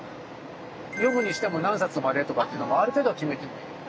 読むにしても何冊までとかっていうのをある程度決めてもいいですね。